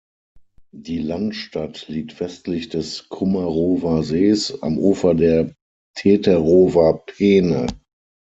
Die Landstadt liegt westlich des Kummerower Sees am Ufer der Teterower Peene.